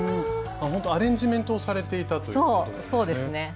ほんとアレンジメントをされていたということなんですね。